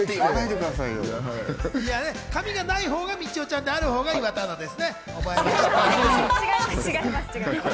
髪がないほうがみちおちゃんで、あるほうが岩田さんです。